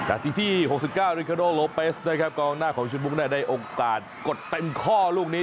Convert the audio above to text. นาทีที่๖๙ริคาโดโลเปสนะครับกองหน้าของชุดมุกได้โอกาสกดเต็มข้อลูกนี้